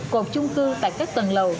cột chung cư tại các tầng lầu